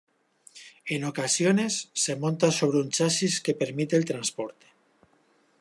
En ocasiones, se monta sobre un chasis que permite el transporte.